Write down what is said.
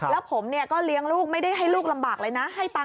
แล้วผมก็เลี้ยงลูกไม่ได้ให้ลูกลำบากเลยนะ